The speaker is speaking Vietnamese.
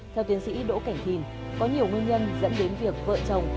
theo tiến sĩ đỗ cảnh thìn có nhiều nguyên nhân dẫn đến việc vợ chồng